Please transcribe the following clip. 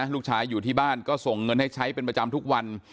ลูกชายอยู่ที่บ้านก็ส่งเงินให้ใช้เป็นประจำทุกวัน